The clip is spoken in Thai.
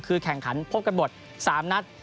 คือแข่งขันพบกันหมด๓นัด